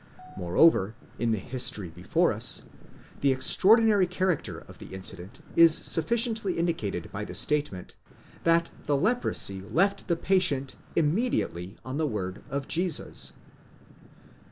Moreover, in the history before us, the extraordinary character of the incident is sufficiently indicated by the statement, that the leprosy left the patient immediately on the word of Jesus.